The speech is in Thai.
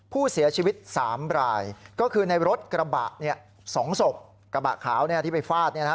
ผู้เสียชีวิตสามรายก็คือในรถกระบะเนี่ยสองศพกระบะขาวเนี่ยที่ไปฟาดเนี่ยนะฮะ